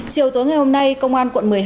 chiều tối ngày hôm nay công an quận một mươi hai